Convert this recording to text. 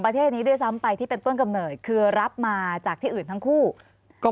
ประเทศนี้ด้วยซ้ำไปที่เป็นต้นกำเนิดคือรับมาจากที่อื่นทั้งคู่ก็